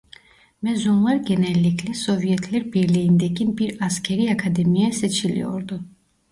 Mezunlar genellikle Sovyetler Birliği'ndeki bir askerî akademiye seçiliyordu.